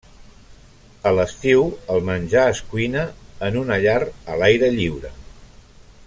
A l'estiu, el menjar es cuina en una llar a l'aire lliure.